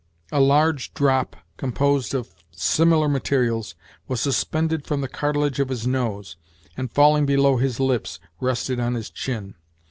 A large drop, composed of similar materials, was suspended from the cartilage of his nose, and, falling below his lips, rested on his chin.